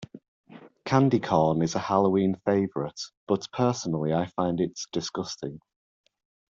Candy corn is a Halloween favorite, but personally I find it disgusting.